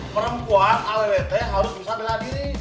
perempuan awwt harus bisa bela diri